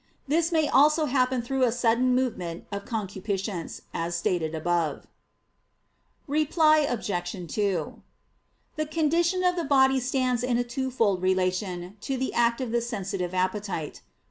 This may also happen through a sudden movement of concupiscence, as stated above. Reply Obj. 2: The condition of the body stands in a twofold relation to the act of the sensitive appetite.